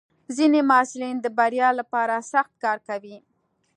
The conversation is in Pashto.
ځینې محصلین د بریا لپاره سخت کار کوي.